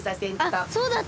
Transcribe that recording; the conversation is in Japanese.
あっそうだった！